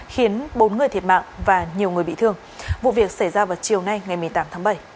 khiến bốn người thiệt mạng và nhiều người bị thương vụ việc xảy ra vào chiều nay ngày một mươi tám tháng bảy